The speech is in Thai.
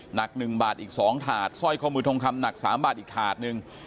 หนัก๑บาทอีก๒ถาดสร้อยข้อมือทองคำหนัก๓บาทอีกถาดหนึ่ง